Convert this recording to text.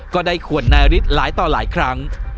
ก็ได้ขวดนายฤทธิ์หลายต่อหลายครั้ง